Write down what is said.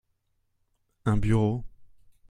Un bureau.